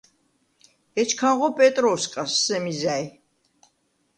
ეჩქანღო პეტროუ̂სკას სემი ზა̈ჲ.